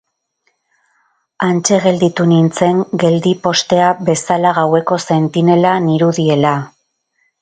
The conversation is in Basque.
Hantxe gelditu nintzen geldi postea bezala gaueko zentinela nirudiela.